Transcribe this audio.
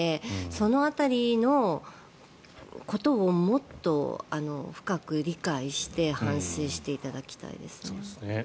その辺りのことをもっと深く理解して反省していただきたいですね。